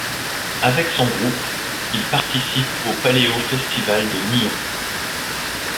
Avec son groupe, il participe au Paléo Festival de Nyon.